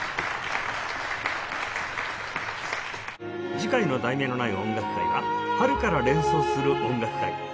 次回の『題名のない音楽会』は「春から連想する音楽会」